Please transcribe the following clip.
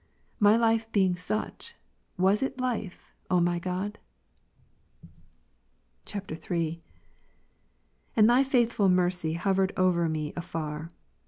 My life being such, was it life, O my God ? [III.] S.^And Thy faithful mercy hovered over me afar.